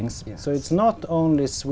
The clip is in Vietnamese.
quốc gia quốc gia việt nam